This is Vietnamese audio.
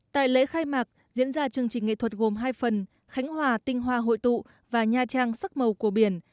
tại lễ khai mạc diễn ra chương trình nghệ thuật gồm hai phần khánh hòa tinh hoa hội tụ và nha trang sắc màu của biển